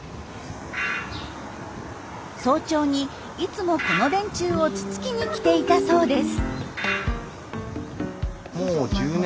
早朝にいつもこの電柱をつつきに来ていたそうです。